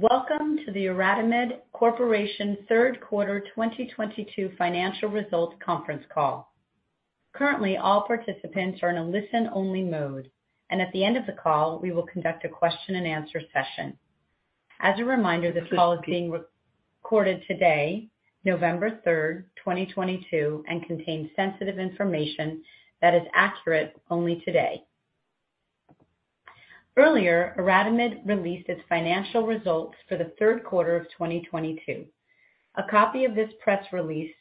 Welcome to the IRADIMED CORPORATION third quarter 2022 financial results conference call. Currently, all participants are in a listen-only mode, and at the end of the call, we will conduct a question-and-answer session. As a reminder, this call is being recorded today, November 3, 2022, and contains sensitive information that is accurate only today. Earlier, IRADIMED released its financial results for the third quarter of 2022. A copy of this press release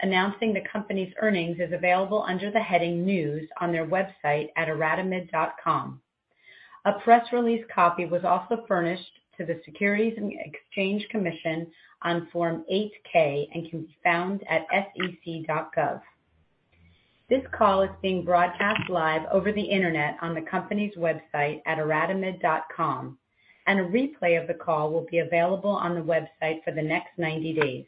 announcing the company's earnings is available under the heading News on their website at iradimed.com. A press release copy was also furnished to the Securities and Exchange Commission on Form 8-K and can be found at sec.gov. This call is being broadcast live over the Internet on the company's website at iradimed.com, and a replay of the call will be available on the website for the next 90 days.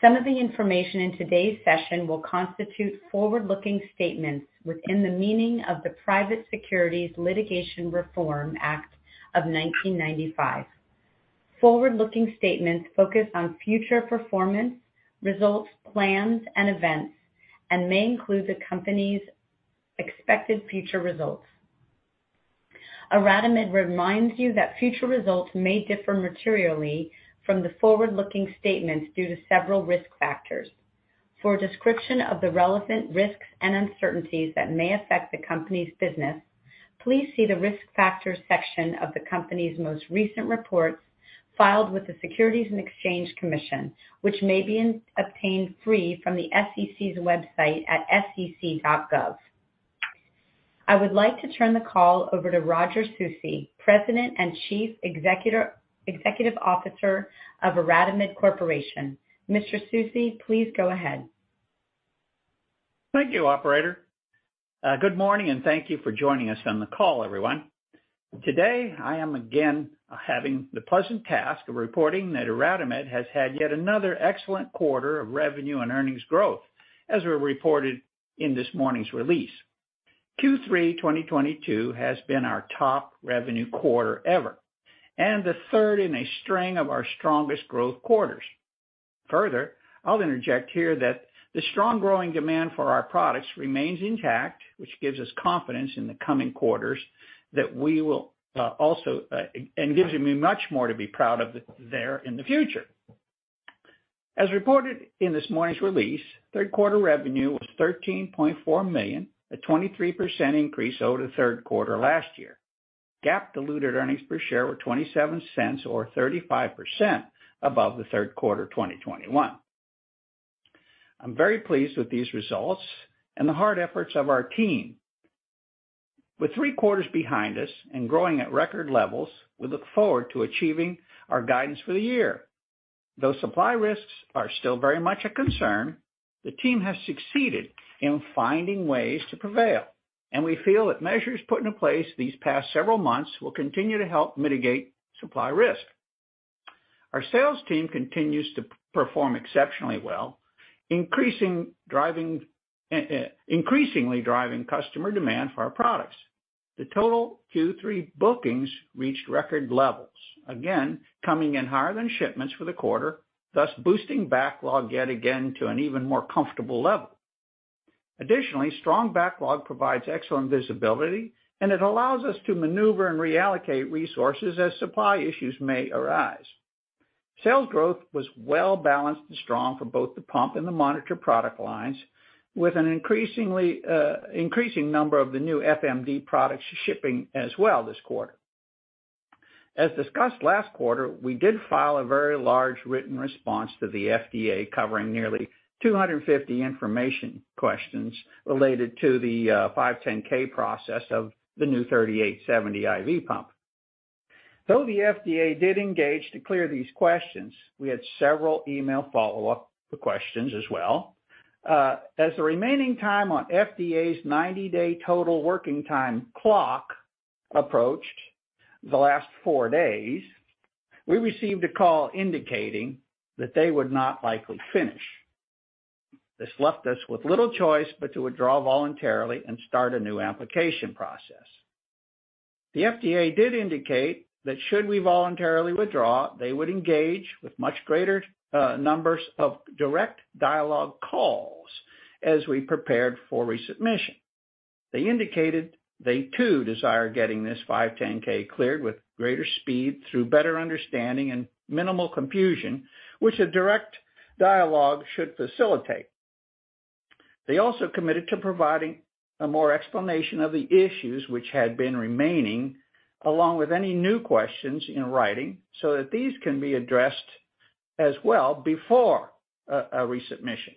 Some of the information in today's session will constitute forward-looking statements within the meaning of the Private Securities Litigation Reform Act of 1995. Forward-looking statements focus on future performance, results, plans, and events and may include the company's expected future results. Iradimed reminds you that future results may differ materially from the forward-looking statements due to several risk factors. For a description of the relevant risks and uncertainties that may affect the company's business, please see the Risk Factors section of the company's most recent reports filed with the Securities and Exchange Commission, which may be obtained free from the SEC's website at sec.gov. I would like to turn the call over to Roger Susi, President and Chief Executive Officer of Iradimed Corporation. Mr. Susi, please go ahead. Thank you, operator. Good morning and thank you for joining us on the call, everyone. Today, I am again having the pleasant task of reporting that IRADIMED has had yet another excellent quarter of revenue and earnings growth, as we reported in this morning's release. Q3 2022 has been our top revenue quarter ever and the third in a string of our strongest growth quarters. Further, I'll interject here that the strong growing demand for our products remains intact, which gives us confidence in the coming quarters and gives me much more to be proud of there in the future. As reported in this morning's release, third quarter revenue was $13.4 million, a 23% increase over the third quarter last year. GAAP diluted earnings per share were $0.27 or 35% above the third quarter 2021. I'm very pleased with these results and the hard efforts of our team. With three quarters behind us and growing at record levels, we look forward to achieving our guidance for the year. Though supply risks are still very much a concern, the team has succeeded in finding ways to prevail, and we feel that measures put into place these past several months will continue to help mitigate supply risk. Our sales team continues to perform exceptionally well, increasingly driving customer demand for our products. The total Q3 bookings reached record levels, again, coming in higher than shipments for the quarter, thus boosting backlog yet again to an even more comfortable level. Additionally, strong backlog provides excellent visibility, and it allows us to maneuver and reallocate resources as supply issues may arise. Sales growth was well balanced and strong for both the pump and the monitor product lines, with an increasing number of the new FMD products shipping as well this quarter. As discussed last quarter, we did file a very large written response to the FDA covering nearly 250 information questions related to the 510(k) process of the new 3870 IV pump. Though the FDA did engage to clear these questions, we had several email follow-up questions as well. As the remaining time on FDA's 90-day total working time clock approached the last four days, we received a call indicating that they would not likely finish. This left us with little choice but to withdraw voluntarily and start a new application process. The FDA did indicate that should we voluntarily withdraw, they would engage with much greater numbers of direct dialogue calls as we prepared for resubmission. They indicated they too desire getting this 510(k) cleared with greater speed through better understanding and minimal confusion, which a direct dialogue should facilitate. They also committed to providing more explanation of the issues which had been remaining, along with any new questions in writing, so that these can be addressed as well before a resubmission.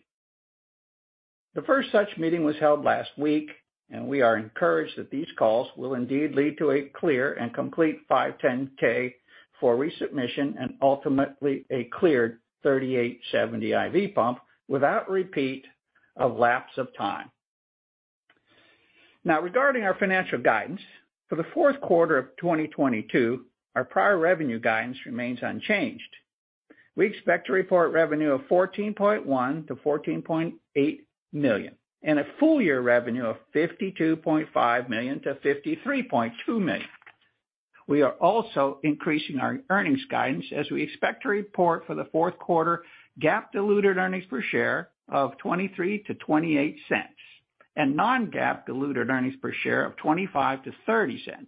The first such meeting was held last week, and we are encouraged that these calls will indeed lead to a clear and complete 510(k) for resubmission and ultimately a cleared 3870 IV pump without repeat of lapse of time. Now regarding our financial guidance. For the fourth quarter of 2022, our prior revenue guidance remains unchanged. We expect to report revenue of $14.1 million-$14.8 million and a full year revenue of $52.5 million-$53.2 million. We are also increasing our earnings guidance as we expect to report for the fourth quarter GAAP diluted earnings per share of $0.23-$0.28 and non-GAAP diluted earnings per share of $0.25-$0.30.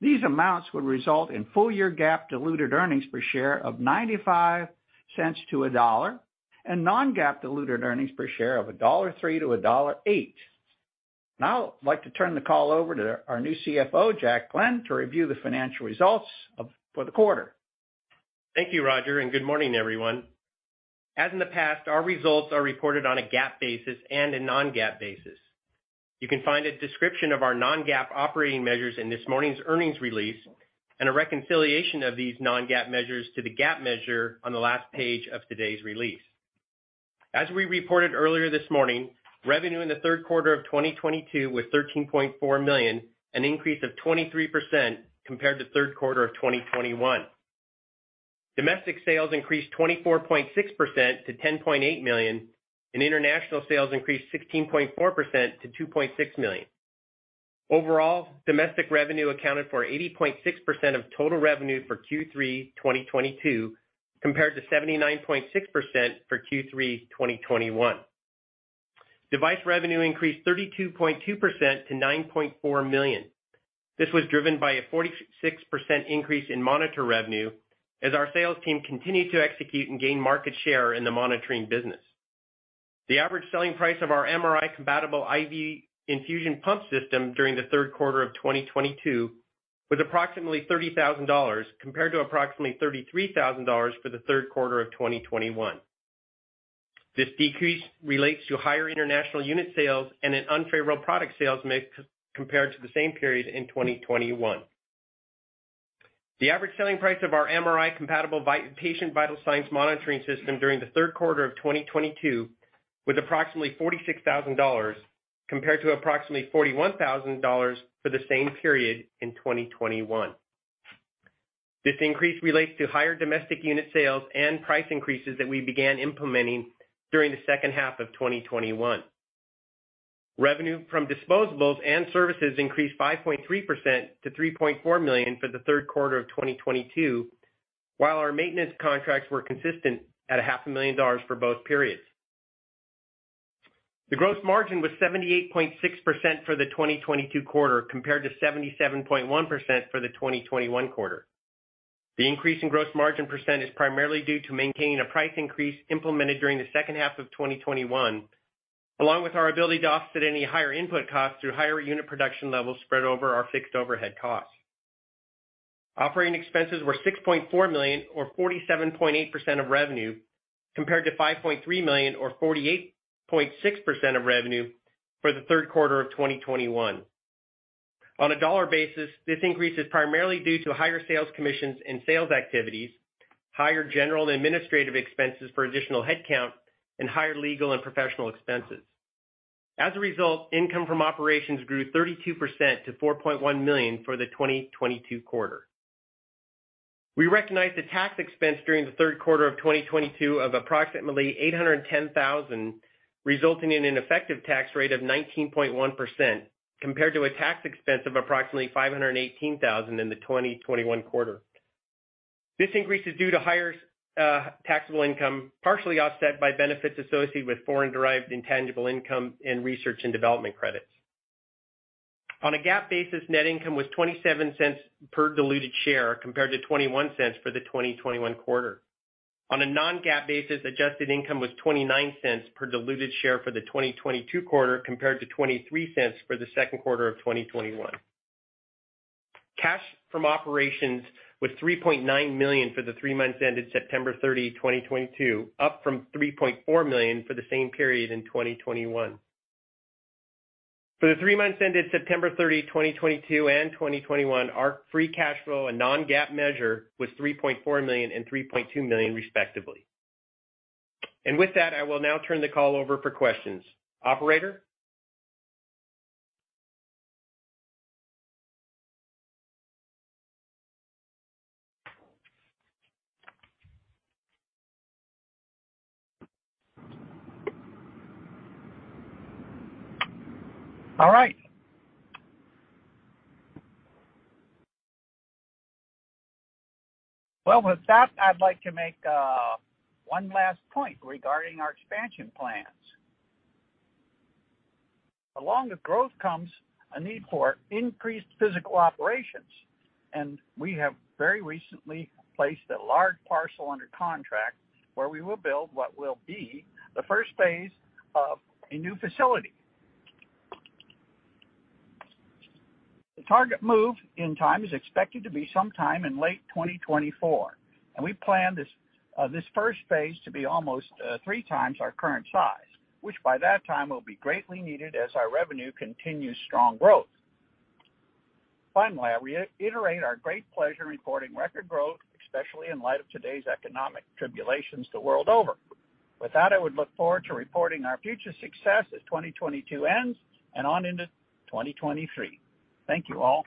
These amounts would result in full year GAAP diluted earnings per share of $0.95-$1 and non-GAAP diluted earnings per share of $1.03-$1.08. Now, I'd like to turn the call over to our new CFO, Jack Glenn, to review the financial results for the quarter. Thank you, Roger, and good morning, everyone. As in the past, our results are reported on a GAAP basis and a non-GAAP basis. You can find a description of our non-GAAP operating measures in this morning's earnings release and a reconciliation of these non-GAAP measures to the GAAP measure on the last page of today's release. As we reported earlier this morning, revenue in the third quarter of 2022 was $13.4 million, an increase of 23% compared to third quarter of 2021. Domestic sales increased 24.6%- $10.8 million, and international sales increased 16.4% - $2.6 million. Overall, domestic revenue accounted for 80.6% of total revenue for Q3 2022, compared to 79.6% for Q3 2021. Device revenue increased 32.2% - $9.4 million. This was driven by a 46% increase in monitor revenue as our sales team continued to execute and gain market share in the monitoring business. The average selling price of our MRI compatible IV infusion pump system during the third quarter of 2022 was approximately $30,000 compared to approximately $33,000 for the third quarter of 2021. This decrease relates to higher international unit sales and an unfavorable product sales mix compared to the same period in 2021. The average selling price of our MRI compatible patient vital signs monitoring system during the third quarter of 2022 was approximately $46,000, compared to approximately $41,000 for the same period in 2021. This increase relates to higher domestic unit sales and price increases that we began implementing during the H2 of 2021. Revenue from disposables and services increased 5.3%-$3.4 million for the third quarter of 2022, while our maintenance contracts were consistent at half a million dollars for both periods. The gross margin was 78.6% for the 2022 quarter, compared to 77.1% for the 2021 quarter. The increase in gross margin percent is primarily due to maintaining a price increase implemented during the H2 of 2021, along with our ability to offset any higher input costs through higher unit production levels spread over our fixed overhead costs. Operating expenses were $6.4 million or 47.8% of revenue, compared to $5.3 million or 48.6% of revenue for the third quarter of 2021. On a dollar basis, this increase is primarily due to higher sales commissions and sales activities, higher general and administrative expenses for additional headcount, and higher legal and professional expenses. Income from operations grew 32%-$4.1 million for the 2022 quarter. We recognized a tax expense during the third quarter of 2022 of approximately $810 thousand, resulting in an effective tax rate of 19.1%, compared to a tax expense of approximately $518 thousand in the 2021 quarter. This increase is due to higher taxable income, partially offset by benefits associated with foreign-derived intangible income and research and development credits. On a GAAP basis, net income was $0.27 per diluted share, compared to $0.21 for the 2021 quarter. On a non-GAAP basis, adjusted income was $0.29 per diluted share for the 2022 quarter, compared to $0.23 for the second quarter of 2021. Cash from operations was $3.9 million for the three months ended September 30, 2022, up from $3.4 million for the same period in 2021. For the three months ended September 30, 2022 and 2021, our free cash flow and non-GAAP measure was $3.4 million and $3.2 million respectively. With that, I will now turn the call over for questions. Operator? All right. Well, with that, I'd like to make one last point regarding our expansion plans. Along with growth comes a need for increased physical operations, and we have very recently placed a large parcel under contract where we will build what will be the first phase of a new facility. The target move in time is expected to be sometime in late 2024, and we plan this first phase to be almost three times our current size, which by that time will be greatly needed as our revenue continues strong growth. Finally, I reiterate our great pleasure in reporting record growth, especially in light of today's economic tribulations the world over. With that, I would look forward to reporting our future success as 2022 ends and on into 2023. Thank you all.